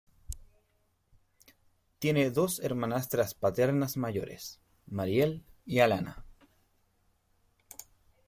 Tiene dos hermanastras paternas mayores, Marielle y Alana.